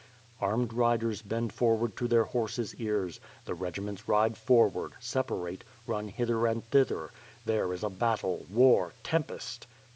Armed riders bend foni^ard to their horses' ears; the regi ments ride forward, separate, run hither and thither; there is a battle, war, tempest!